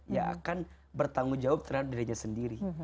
ya akan bertanggung jawab terhadap dirinya sendiri